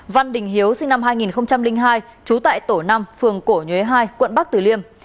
văn đình hiếu sinh năm hai nghìn hai trú tại tổ năm phường cổ nhuế hai quận bắc tử liêm